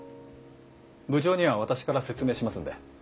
部長には私から説明しますので。